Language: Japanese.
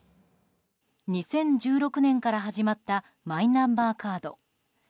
２０１６年から始まったマイナンバーカード。